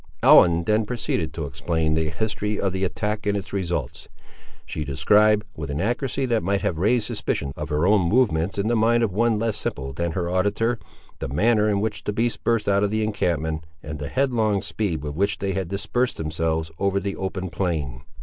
Ellen then proceeded to explain the history of the attack and its results. She described, with an accuracy that might have raised suspicions of her own movements in the mind of one less simple than her auditor, the manner in which the beasts burst out of the encampment, and the headlong speed with which they had dispersed themselves over the open plain.